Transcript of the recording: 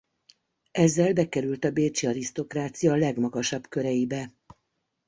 Ezzel bekerült a bécsi arisztokrácia legmagasabb köreibe.